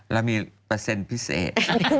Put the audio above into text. แล้วมีเปอร์เซ็นต์พิเศษ